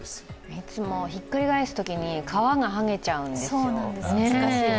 いつもひっくり返すときに皮がはげちゃうんですよ。